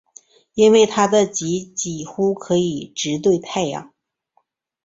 因此它的极几乎可以直对太阳。